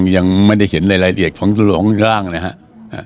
ผมคิดว่ายังไม่ได้เห็นรายละเอียดของทุกคนข้างนะครับ